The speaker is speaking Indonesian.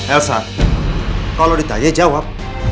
elsa kalau ditanya jawab